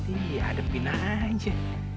iya hadepin aja